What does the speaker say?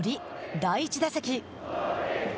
第１打席。